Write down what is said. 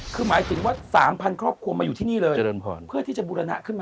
คือหมายถึงว่า๓๐๐ครอบครัวมาอยู่ที่นี่เลยเจริญพรเพื่อที่จะบูรณะขึ้นมา